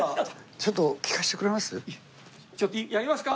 ちょっと聴かせてくれます？